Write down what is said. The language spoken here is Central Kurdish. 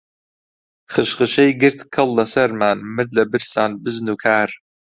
خشخشەی گرت کەڵ لە سەرمان، مرد لە برسان بزن و کار